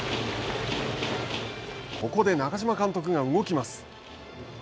ここで中島監督が動きます。